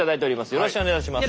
よろしくお願いします。